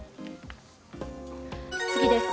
次です。